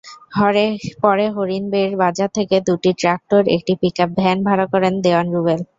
পরে হরিণবেড় বাজার থেকে দুটি ট্রাক্টর, একটি পিকআপভ্যান ভাড়া করেন দেওয়ান রুবেল।